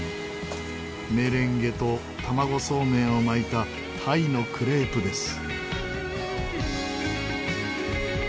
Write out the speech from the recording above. メレンゲと玉子そうめんを巻いたタイのクレープです。